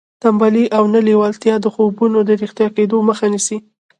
تنبلي او نه لېوالتیا د خوبونو د رښتیا کېدو مخه نیسي